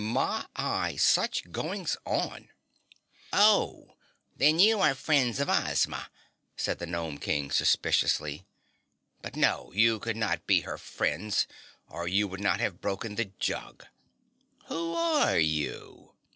My y such goings on!" "Oh, then you are friends of Ozma?" said the Gnome King suspiciously. "But no, you could not be her friends or you would not have broken the jug. Who ARE you?